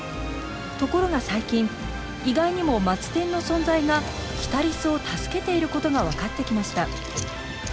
ところが最近意外にもマツテンの存在がキタリスを助けていることが分かってきました。